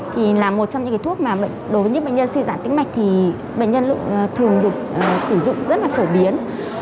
thì là một trong những thuốc mà đối với những bệnh nhân suy giảm tĩnh mạch thì bệnh nhân thường được sử dụng rất là phổ biến